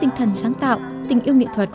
tinh thần sáng tạo tình yêu nghệ thuật